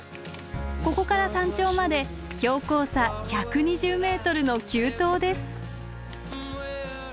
ここから山頂まで標高差１２０ｍの急登です。